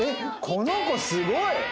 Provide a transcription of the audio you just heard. この子すごい！